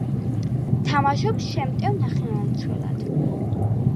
თამაშობს შემტევ ნახევარმცველად.